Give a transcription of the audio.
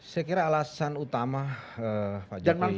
saya kira alasan utama pak cheerselnnya sudah kelasa bukan ya bung doni